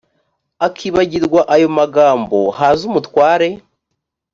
akibabwira ayo magambo haza umutware